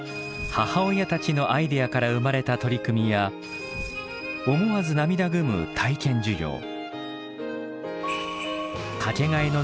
母親たちのアイデアから生まれた取り組みや思わず涙ぐむ体験授業。